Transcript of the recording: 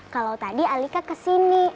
kalau tadi alika kesini